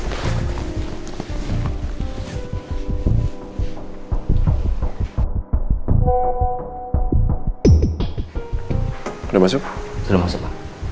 udah masuk udah masuk pak